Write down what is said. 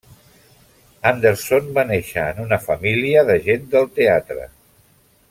Anderson va néixer en una família de gent del teatre.